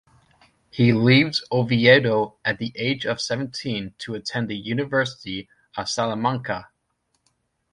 He leaves Oviedo at the age of seventeen to attend the University of Salamanca.